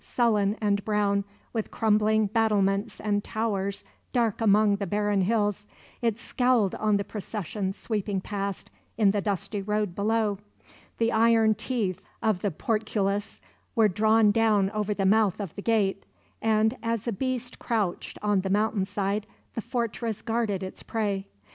Sullen and brown, with crumbling battlements and towers dark among the barren hills, it scowled on the procession sweeping past in the dusty road below. The iron teeth of the portcullis were drawn down over the mouth of the gate; and as a beast crouched on the mountain side, the fortress guarded its prey.